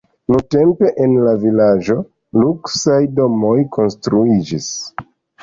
Nuntempe en la vilaĝo luksaj domoj konstruiĝis.